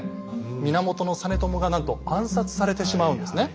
源実朝がなんと暗殺されてしまうんですね。